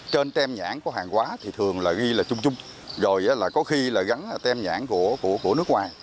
trên tem nhãn có hàng quá thì thường là ghi là chung chung rồi là có khi là gắn tem nhãn của nước ngoài